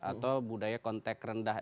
atau budaya kontek rendah